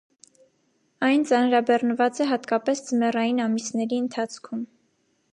Այն ծանրաբեռնված է հատկապես ձմեռային ամիսների ընթացքում։